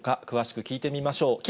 詳しく聞いてみましょう。